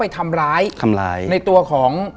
ทำร้ายในตัวของ